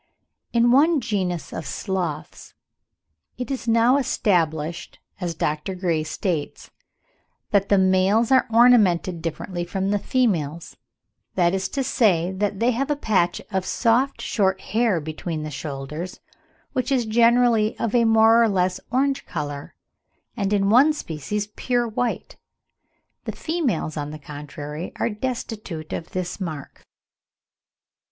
In one genus of sloths, it is now established, as Dr. Gray states, "that the males are ornamented differently from the females—that is to say, that they have a patch of soft short hair between the shoulders, which is generally of a more or less orange colour, and in one species pure white. The females, on the contrary, are destitute of this mark."